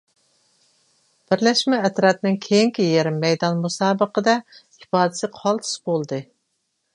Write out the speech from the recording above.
بىرلەشمە ئەترەتنىڭ كېيىنكى يېرىم مەيدان مۇسابىقىدە ئىپادىسى قالتىس بولدى.